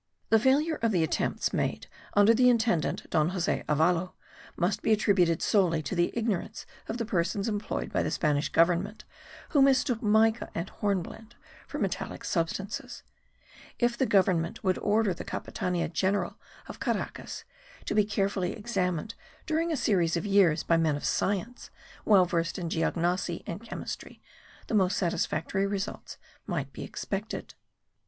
The failure of the attempts made under the intendant, Don Jose Avalo, must be attributed solely to the ignorance of the persons employed by the Spanish government who mistook mica and hornblende for metallic substances. If the government would order the Capitania General of Caracas to be carefully examined during a series of years by men of science, well versed in geognosy and chemistry, the most satisfactory results might be expected.